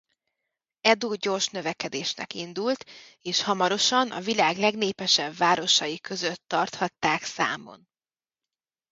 Edo gyors növekedésnek indult és hamarosan a világ legnépesebb városai között tarthatták számon.